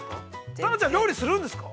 ◆タネちゃん、料理するんですか。